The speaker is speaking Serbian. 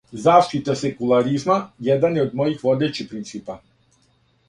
Заштита секуларизма један је од мојих водећих принципа.